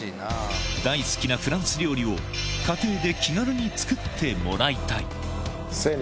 大好きなフランス料理を家庭で気軽に作ってもらいたい。